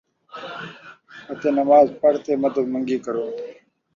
اَتے نماز پڑھ تے مَدد مَنگی کرو